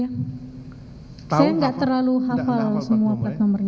saya nggak terlalu hafal semua plat nomornya